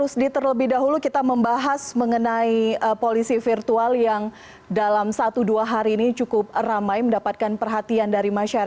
selamat malam pak elkira